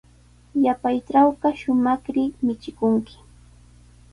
Yapaytrawqa shumaqri michikunki.